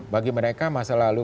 bagi mereka masa lalu